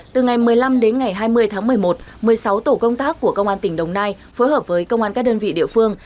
từ ngày một mươi năm đến ngày hai mươi tháng một mươi một một mươi sáu tổ công tác của công an tỉnh đồng nai phối hợp với công an các đơn vị địa phương